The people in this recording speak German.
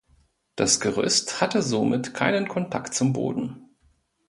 Das Gerüst hatte somit keinen Kontakt zum Boden.